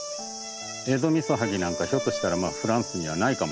エゾミソハギなんかはひょっとしたらフランスにはないかもしれません。